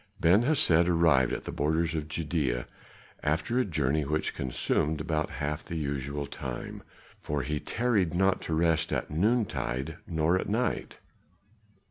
Ben Hesed arrived at the borders of Judæa after a journey which consumed but half the usual time, for he tarried not to rest at noontide nor at night.